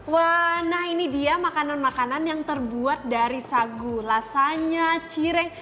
wah nah ini dia makanan makanan yang terbuat dari sagu rasanya cire